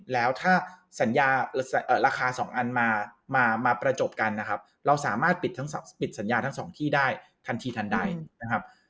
แล้วถ้าสัญญาราคา๒อันมาประจบกันนะครับเราสามารถปิดทั้งปิดสัญญาทั้งสองที่ได้ทันทีทันใดนะครับ